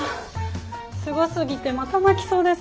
すごすぎてまた泣きそうです。